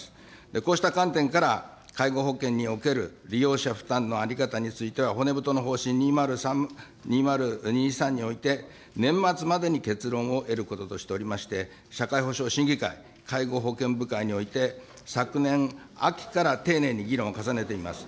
こうした観点から、介護保険における利用者負担の在り方については、骨太の方針２０２３において年末までに結論を得ることとしておりまして、社会保障審議会、介護保険部会において、昨年秋から丁寧に議論を重ねています。